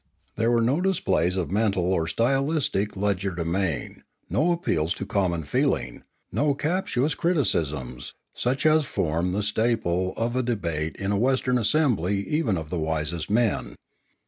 There were no displays of mental or stylistic legerdemain, no appeals to common feeling, no captious criticisms, such as form the staple of a debate in a Western assembly even of the wisest men.